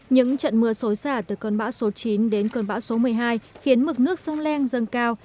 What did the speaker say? những trận mưa xối xả từ cơn bão số chín đến cơn bão số một mươi hai khiến mực nước sông leng dâng cao